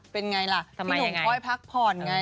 เป็นไงล่ะพี่หนุ่มค่อยพักผ่อนไง